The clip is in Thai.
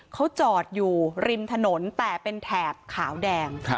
เขาจอดอยู่ริมถนนแต่เป็นแถบขาวแดง